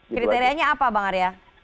kriterianya apa bang arya